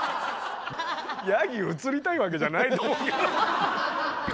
ヤギ映りたいわけじゃないと思うけど。